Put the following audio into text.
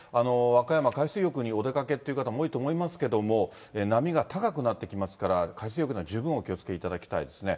和歌山、海水浴にお出かけという方も多いと思いますけれども、波が高くなってきますから、海水浴には十分お気をつけいただきたいですね。